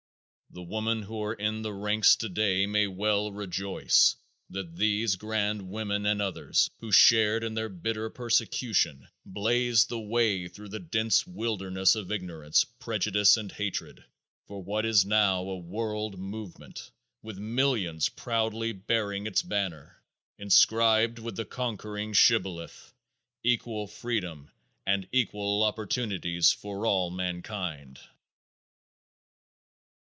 The women who are in the ranks today may well rejoice that these grand women and others who shared in their bitter persecution blazed the way through the dense wilderness of ignorance, prejudice and hatred for what is now a world movement, with millions proudly bearing its banner, inscribed with the conquering shibboleth: Equal Freedom and Equal Opportunities for All Mankind.